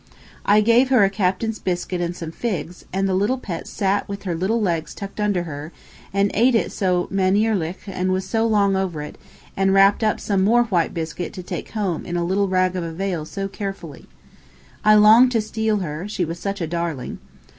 I gave her a captain's biscuit and some figs, and the little pet sat with her little legs tucked under her, and ate it so manierlich and was so long over it, and wrapped up some more white biscuit to take home in a little rag of a veil so carefully. I longed to steal her, she was such a darling.